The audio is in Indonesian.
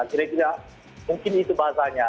kira kira mungkin itu bahasanya